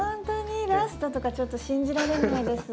ラストとかちょっと信じられないです。